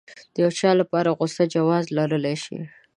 د يو چا لپاره غوسه جواز لرلی شي.